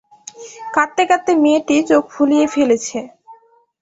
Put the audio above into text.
কাঁদতে-কাঁদতে মেয়েটি চোখ ফুলিয়ে ফেলেছে।